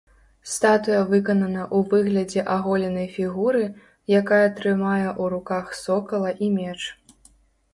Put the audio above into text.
Статуя выканана ў выглядзе аголенай фігуры, якая трымае ў руках сокала і меч.